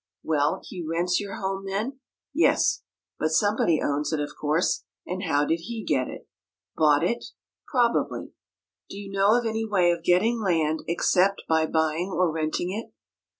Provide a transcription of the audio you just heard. Well, he rents your home, then? Yes? But somebody owns it, of course, and how did he get it? Bought it? Probably. Do you know of any way of getting land except by buying or renting it?"